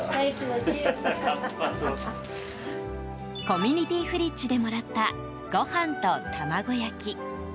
コミュニティフリッジでもらった、ご飯と卵焼き。